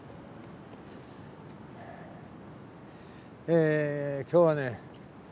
え今日はね